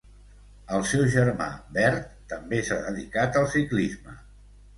El seu germà Bert també s'ha dedicat al ciclisme.